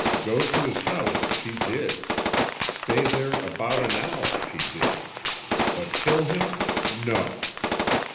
Go to his house, she did. Stay there about an hour, she did. But kill him, no!